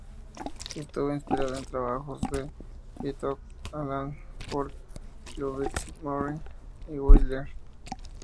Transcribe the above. Estuvo inspirada en trabajos de Hitchcock, Lang, Ford, Lubitsch, Murnau y Wilder.